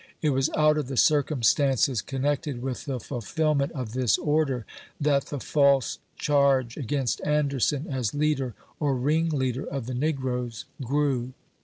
It was out of the circumstances connected with the fulfilment of this order, that the false charge against " Anderson " as leader, or " ringleader," of the negroes, grew.